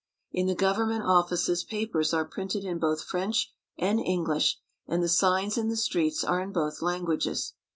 In the government offices papers are printed in both French and English, and the signs in the streets are in both languages.